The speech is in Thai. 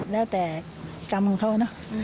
แล้วแต่กรรมของเขานะ